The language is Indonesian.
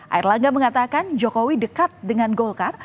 air langga mengatakan jokowi dekat dengan golkar